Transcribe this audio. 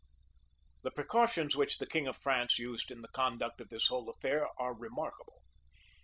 The precautions which the king of France used in the conduct of this whole affair are remarkable.